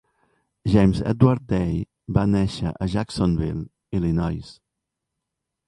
James Edward Day va néixer a Jacksonville, Illinois.